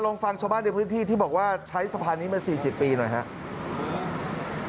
ลองฟังชาวบ้านในพื้นที่ที่บอกว่าใช้สะพานนี้มา๔๐ปีหน่อยครับ